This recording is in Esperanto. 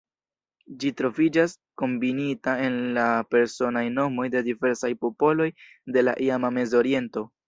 Ĝi troviĝas kombinita en la personaj nomoj de diversaj popoloj de la iama Mezoriento.